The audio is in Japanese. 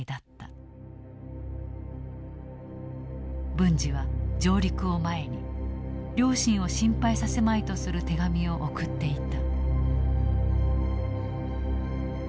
文次は上陸を前に両親を心配させまいとする手紙を送っていた。